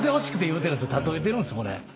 例えてるんですこれ。